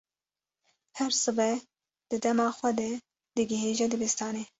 Her sibeh di dema xwe de digihêje dibistanê.